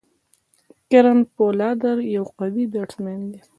کیرن پولارډ یو قوي بيټسمېن دئ.